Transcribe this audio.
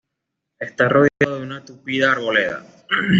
Está rodeado de una tupida arboleda.